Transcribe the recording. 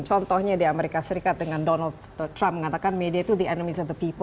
contohnya di amerika serikat dengan donald trump mengatakan media itu the enemist of the people